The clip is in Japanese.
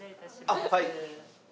あっはい。